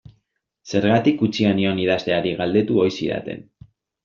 Zergatik utzia nion idazteari galdetu ohi zidaten.